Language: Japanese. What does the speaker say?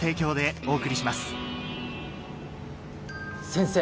先生！